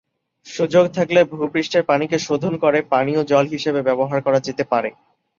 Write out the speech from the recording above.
সুযোগ থাকলে ভূ-পৃষ্ঠের পানিকে শোধন করে পানীয় জল হিসেবে ব্যবহার করা যেতে পারে।